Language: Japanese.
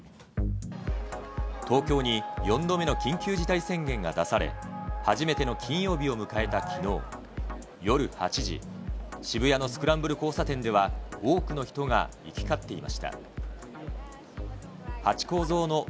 東京に４度目の緊急事態宣言が出され、初めての金曜日を迎えたきのう、夜８時、渋谷のスクランブル交差点では、多くの人が行き交っていました。